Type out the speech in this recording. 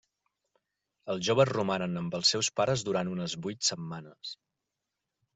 Els joves romanen amb els seus pares durant unes vuit setmanes.